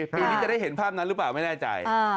ปีนี้จะได้เห็นภาพนั้นหรือเปล่าไม่แน่ใจ